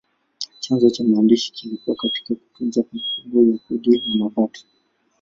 Chanzo cha maandishi kilikuwa katika kutunza kumbukumbu ya kodi na mapato.